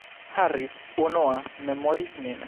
Harris, unua, memoris min.